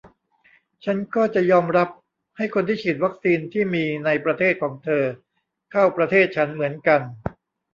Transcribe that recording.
ฉันก็จะยอมรับ ให้คนที่ฉีดวัคซีนที่มีในประเทศของเธอ เข้าประเทศฉันเหมือนกัน